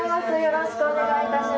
よろしくお願いします。